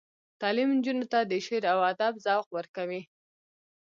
تعلیم نجونو ته د شعر او ادب ذوق ورکوي.